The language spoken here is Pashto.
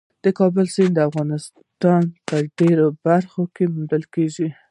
د کابل سیند د افغانستان په ډېرو برخو کې موندل کېږي.